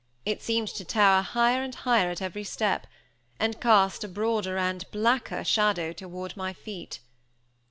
It seemed to tower higher and higher at every step; and cast a broader and blacker shadow toward my feet.